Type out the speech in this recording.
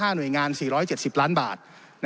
หน่วยงาน๔๗๐ล้านบาท